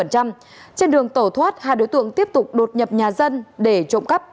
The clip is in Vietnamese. trên đường tẩu thoát hai đối tượng tiếp tục đột nhập nhà dân để trộm cắp